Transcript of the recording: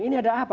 ini ada apa